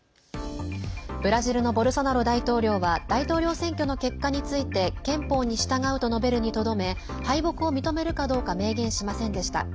ブラジルのボルソナロ大統領は大統領選挙の結果について憲法に従うと述べるにとどめ敗北を認めるかどうか明言しませんでした。